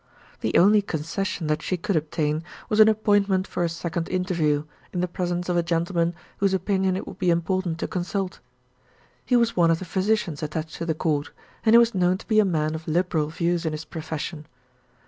The only concession that she could obtain was an appointment for a second interview, in the presence of a gentleman whose opinion it would be important to consult. He was one of the physicians attached to the Court, and he was known to be a man of liberal views in his profession.